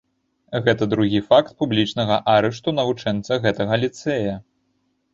Гэта другі факт публічнага арышту навучэнца гэтага ліцэя.